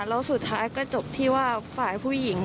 แล้วสุดท้ายก็จบที่ว่าฝ่ายผู้หญิง